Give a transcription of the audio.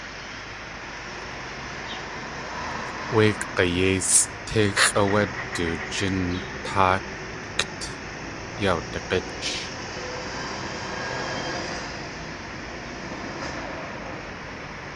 Wé g̲ayéisʼ tíxʼ áwé du jín táakt yawdig̲ích.